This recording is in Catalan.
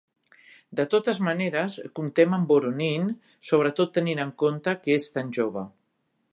De totes maneres, comptem amb en Voronin, sobretot tenint en compte que és tan jove.